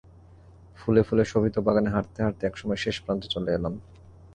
ফুলে ফুলে শোভিত বাগানে হাঁটতে হাঁটতে একসময় শেষ প্রান্তে চলে এলাম।